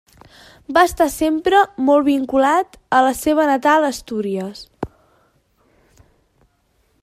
Va estar sempre molt vinculat a la seva natal Astúries.